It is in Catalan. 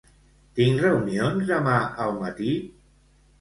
Tinc reunions demà al matí?